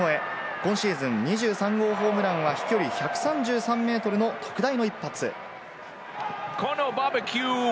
今シーズン２３号ホームランは飛距離１３３メートルの特大の一発。